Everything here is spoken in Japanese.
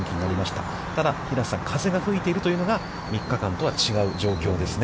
ただ、平瀬さん、風が吹いているというのが、３日間とは違う状況ですね。